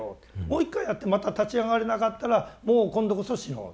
もう一回やってまた立ち上がれなかったらもう今度こそ死のう。